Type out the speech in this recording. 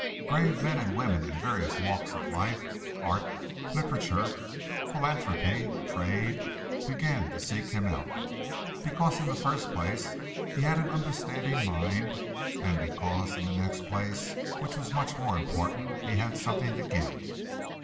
Grave men and women in various walks of life art, literature, philanthropy, trade, began to seek him out, because in the first place he had an understanding mind and because in the next place, which was much more important, he had something to give.